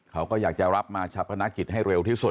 เขาก็อยากจะรับมาชะพนักกิจให้เร็วที่สุด